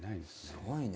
すごいね。